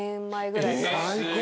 最高。